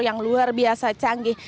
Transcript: yang luar biasa canggih